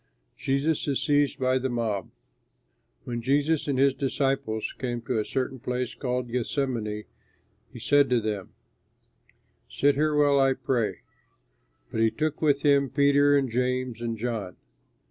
JESUS IS SEIZED BY THE MOB When Jesus and his disciples came to a certain place called Gethsemane, he said to them, "Sit here while I pray"; but he took with him Peter and James and John.